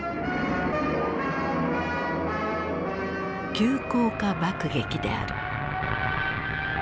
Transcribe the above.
急降下爆撃である。